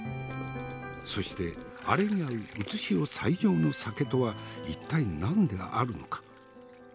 そしてアレに合う現世最上の酒とは一体何であるのか。